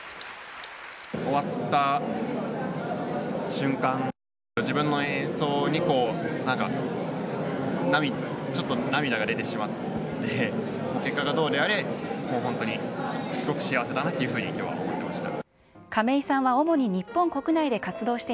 終わった瞬間、自分の演奏になんかちょっと涙が出てしまって、結果がどうであれ、もう本当にすごく幸せだなというふうにきょうは思いました。